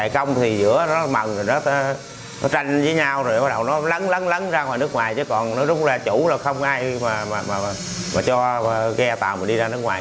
không ai mà cho ghe tàu mình đi ra nước ngoài